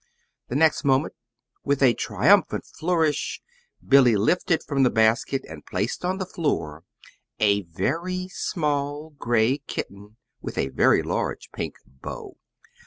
The next moment, with a triumphant flourish, Billy lifted from the basket and placed on the floor a very small gray kitten with a very large pink bow.